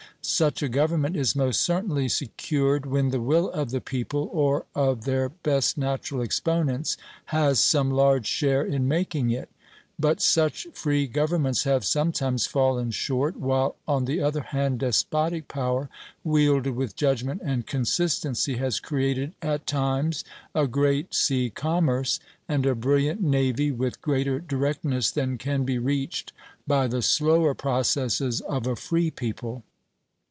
Such a government is most certainly secured when the will of the people, or of their best natural exponents, has some large share in making it; but such free governments have sometimes fallen short, while on the other hand despotic power, wielded with judgment and consistency, has created at times a great sea commerce and a brilliant navy with greater directness than can be reached by the slower processes of a free people.